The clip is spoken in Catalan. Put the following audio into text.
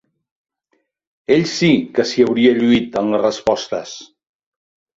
Ell, sí, que s'hi hauria lluit en les respostes